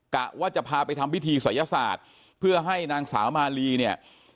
กะว่าจะพาไปทำพิธีศัยศาสตร์เพื่อให้นางสาวมาลีเนี่ย